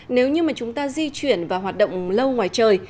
nếu như mà chúng ta di chuyển và hoạt động lâu ngoài trời